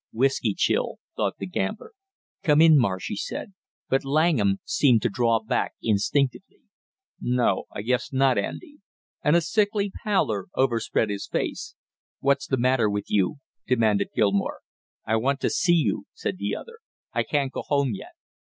"Whisky chill," thought the gambler. "Come in, Marsh!" he said, but Langham seemed to draw back instinctively. "No, I guess not, Andy!" and a sickly pallor overspread his face. "What's the matter with you?" demanded Gilmore. "I want to see you," said the other. "I can't go home yet."